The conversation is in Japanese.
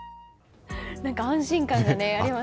安心感がありますね。